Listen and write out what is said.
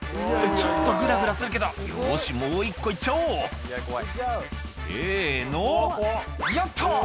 「ちょっとグラグラするけどよしもう１個行っちゃおう」「せのよっと！」